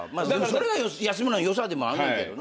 それが安村のよさでもあんねんけどな。